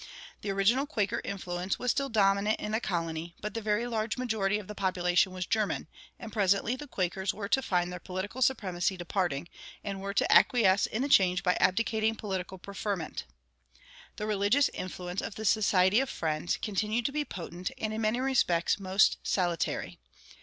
The original Quaker influence was still dominant in the colony, but the very large majority of the population was German; and presently the Quakers were to find their political supremacy departing, and were to acquiesce in the change by abdicating political preferment.[143:1] The religious influence of the Society of Friends continued to be potent and in many respects most salutary.